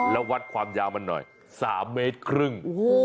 แล้ววัดความยาวมันหน่อย๓เมตรครึ่ง